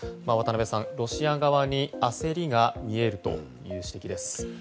渡辺さん、ロシア側に焦りが見えるという指摘です。